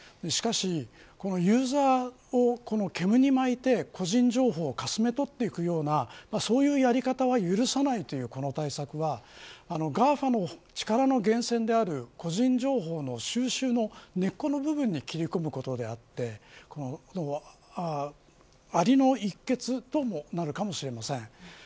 しかしユーザーを煙に巻いて個人情報をかすめ取っていくようなそういうやり方は許さないというこの対策はＧＡＦＡの力の源泉である個人情報の収集の根っこの部分に切り込むものであって蟻の一穴ともなるかもしれません。